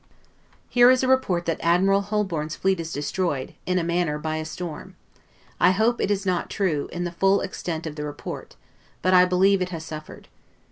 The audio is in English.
Here is a report that Admiral Holborne's fleet is destroyed, in a manner, by a storm: I hope it is not true, in the full extent of the report; but I believe it has suffered.